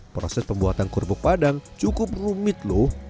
proses pembuatan kerupuk padang cukup rumit loh